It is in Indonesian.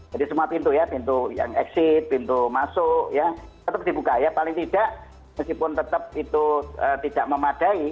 jadi semua pintu ya pintu yang exit pintu masuk ya tetap dibuka ya paling tidak meskipun tetap itu tidak memadai